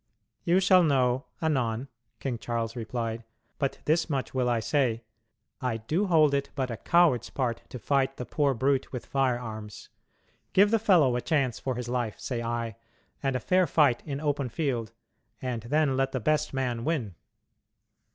"You shall know anon," King Charles replied; "but this much will I say: I do hold it but a coward's part to fight the poor brute with firearms. Give the fellow a chance for his life, say I, and a fair fight in open field and then let the best man win."